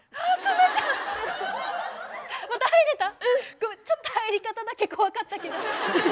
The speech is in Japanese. ごめんちょっと入り方だけ怖かったけど。